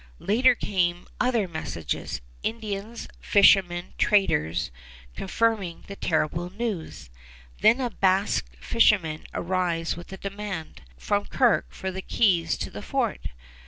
Later came other messengers Indians, fishermen, traders confirming the terrible news. Then a Basque fisherman arrives with a demand, from Kirke for the keys to the fort.